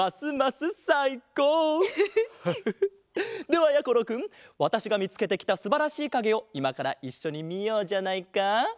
ではやころくんわたしがみつけてきたすばらしいかげをいまからいっしょにみようじゃないか。